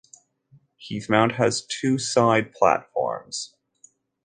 Heathmont has two side platforms.